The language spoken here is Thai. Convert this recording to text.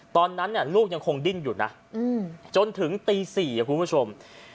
ตอนนั้นลูกยังคงดิ้นอยู่นะจนถึงตี๔คุณผู้ชม